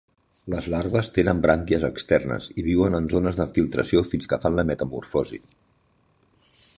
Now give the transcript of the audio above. Les larves tenen brànquies externes, i viuen en zones de filtració fins que fan la metamorfosi.